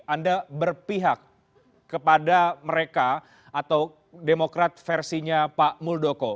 anda berpihak kepada mereka atau demokrat versinya pak muldoko